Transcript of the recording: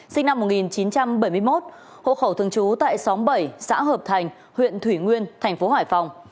sinh năm một nghìn chín trăm bảy mươi một hộ khẩu thường trú tại xóm bảy xã hợp thành huyện thủy nguyên thành phố hải phòng